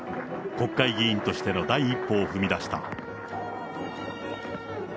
国会議員としての第一歩を踏み出した。